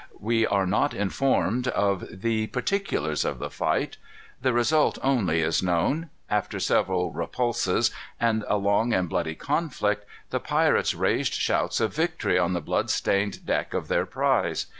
We are not informed of the particulars of the fight. The result only is known. After several repulses, and a long and bloody conflict, the pirates raised shouts of victory on the blood stained deck of their prize.